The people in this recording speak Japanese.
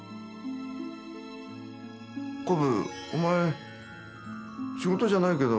「こぶお前仕事じゃないけど」